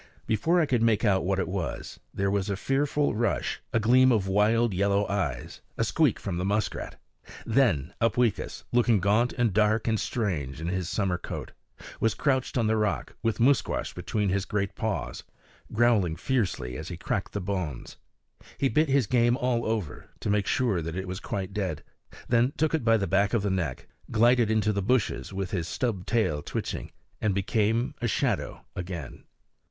Before I could make out what it was, there was a fearful rush, a gleam of wild yellow eyes, a squeak from the muskrat. Then Upweekis, looking gaunt and dark and strange in his summer coat, was crouched on the rock with Musquash between his great paws, growling fiercely as he cracked the bones. He bit his game all over, to make sure that it was quite dead, then took it by the back of the neck, glided into the bushes with his stub tail twitching, and became a shadow again.